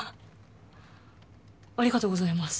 ありがとうございます。